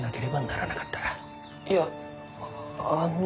いやあの。